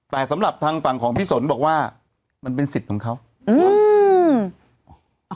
แต่สำหรับทางฝั่งของพี่สนบอกว่ามันเป็นสิทธิ์ของเขาอืม